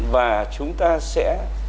và chúng ta sẽ